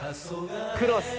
クロス！